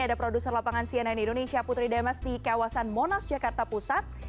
ada produser lapangan cnn indonesia putri demes di kawasan monas jakarta pusat